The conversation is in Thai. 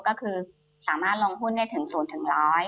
ก็คือสามารถลงหุ้นเนี่ยถึง๐ถึง๑๐๐